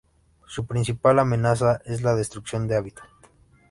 Su principal amenaza es la destrucción de hábitat.